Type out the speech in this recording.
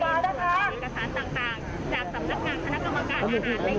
ด้านในก็จะมีกล่องบรรจุกลิศจำนวน๓๐กล่อง